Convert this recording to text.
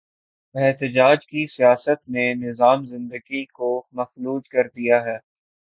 احتجاج کی سیاست نے نظام زندگی کو مفلوج کر دیا ہے۔